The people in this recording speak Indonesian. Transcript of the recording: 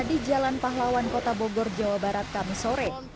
di jalan pahlawan kota bogor jawa barat kami sore